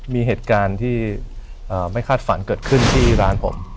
มีเหตุการณ์ที่ไม่คาดฝันเกิดขึ้นที่ร้านผม